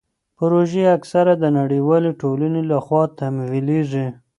پروژې اکثر د نړیوالې ټولنې لخوا تمویلیږي.